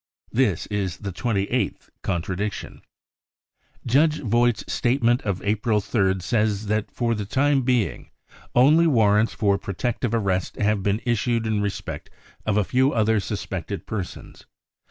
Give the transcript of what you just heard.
This is the twenty eighth contradiction. Judge Vogt's statement of April 3rd says that, £< for the time being, only warrants for protective arrest have been issued in respect of a few other suspected persons."